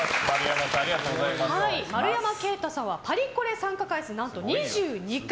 丸山敬太さんはパリコレ参加回数何と２２回。